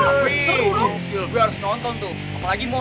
apalagi mondi yang berantem